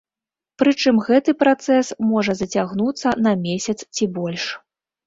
Прычым гэты працэс можа зацягнуцца на месяц ці больш.